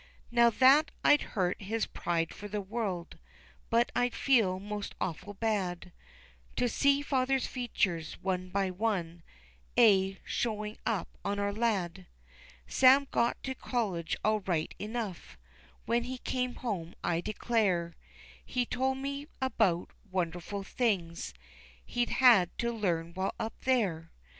Not that I'd hurt his pride for the world, But I'd feel most awful bad To see father's features one by one A showing up on our lad. Sam got to college all right enough, When he came home I declare He told me about wonderful things He'd had to learn while up there.